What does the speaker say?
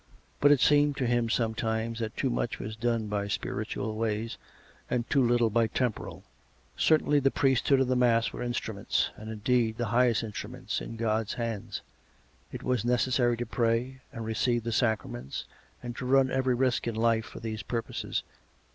But it seemed to him sometimes that too much was done by spiritual ways and too little by temporal. Certainly the priesthood and the mass were instruments — and, indeed, the highest instruments in God's hand; it was necessary to pray and receive the sacraments, and to run every risk in life for these purposes.